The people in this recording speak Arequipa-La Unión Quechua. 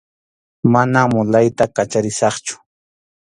Manam mulayta kacharisaqchu.